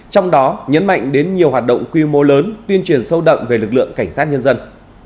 trong đó nhấn mạnh đến nhiều hoạt động quy mô lớn tuyên truyền sâu đậm về lực lượng cảnh sát nhân dân